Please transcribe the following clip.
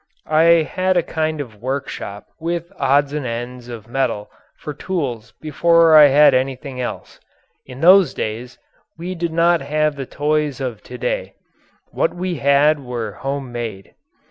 I had a kind of workshop with odds and ends of metal for tools before I had anything else. In those days we did not have the toys of to day; what we had were home made.